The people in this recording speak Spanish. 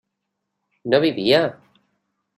¿no vivía?